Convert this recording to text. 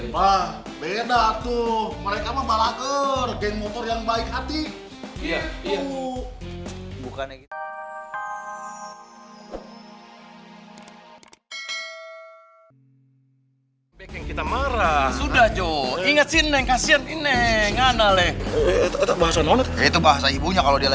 bang beda tuh mereka mah balaker